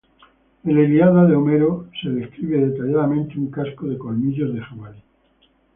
En la "Ilíada" de Homero es descrito detalladamente un casco de colmillos de jabalí.